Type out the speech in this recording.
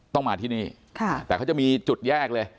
ต้องมาที่นี่แต่เขาจะมีจุดแยกเลย